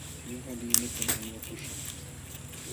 Ñuqa limatam aywakuśhaq.